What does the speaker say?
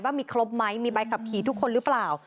มีครบไหมมีใบขับขี่ทุกคนหรือเปล่า